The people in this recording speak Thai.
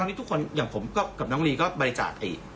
นี่ทุกคนอย่างผมกับน้องลีก็บริจาค